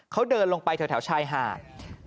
เขาเดินลงไปแถวชายหาด